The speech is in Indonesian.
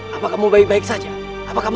tidak ada yang bisa dikawal